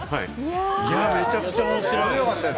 めちゃくちゃ面白い。